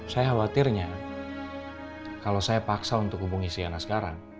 saya khawatirnya kalau saya paksa untuk menghubungi sienna sekarang